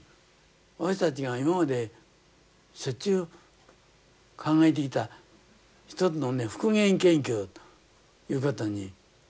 私たちが今までしょっちゅう考えてきた一つのね復元研究いうことになりましてね